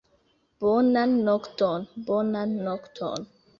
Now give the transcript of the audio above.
Bonan nokton, bonan nokton!